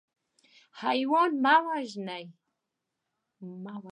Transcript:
حیوان مه وژنه.